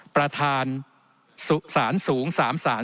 ประธานสุสานสูง๓สาร